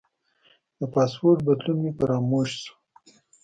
د پاسورډ بدلون مې فراموش شو.